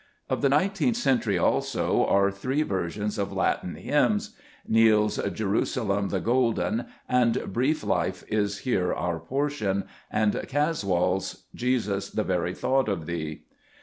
'' Of the nineteenth century also are three ver sions of Latin hymns : Neale's " Jerusalem the golden," and " Brief life is here our portion"; and Caswall's u Jesus, the very thought of Thee."